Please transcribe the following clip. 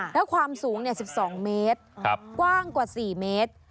แล้วความสูง๑๒เมตรกว้างกว่า๔เมตร